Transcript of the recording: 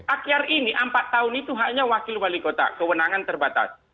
akyar ini empat tahun itu haknya wakil wali kota kewenangan terbatas